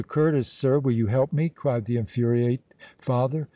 Curtis, sir—will you help me?" cried the infuriate father.